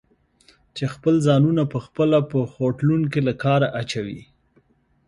چې خپل ځانونه پخپله په خوټلون کې له کاره اچوي؟